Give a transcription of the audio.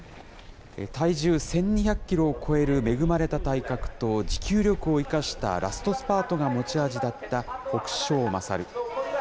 体重１２００キロを超える恵まれた体格と持久力を生かしたラストスパートが持ち味だったホクショウマサル。